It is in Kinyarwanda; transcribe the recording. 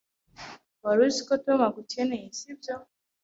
Wari uziko Tom agukeneye, sibyo?